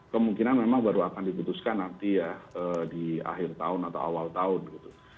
kemungkinan memang baru akan diputuskan nanti ya di akhir tahun atau awal tahun gitu